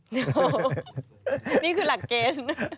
นี่คือหลักเกณฑ์